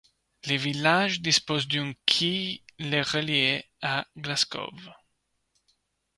Le village dispose d'une qui le relie à Glasgow.